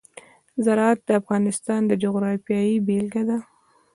زراعت د افغانستان د جغرافیې بېلګه ده.